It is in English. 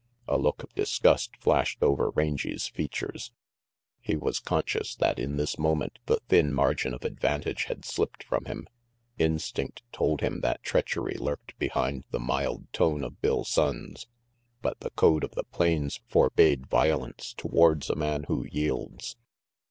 A look of disgust flashed over Rangy's features. 342 RANGY PETE He was conscious that in this moment the thin margin of advantage had slipped from him. Instinct told him that treachery lurked behind the mild tone of Bill Sonnes; but the code of the plains forbade violence towards a man who yields.